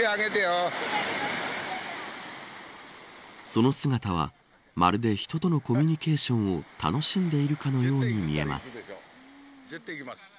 その姿はまるで人とのコミュニケーションを楽しんでいるようにも見えます。